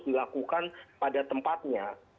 dilakukan pada tempatnya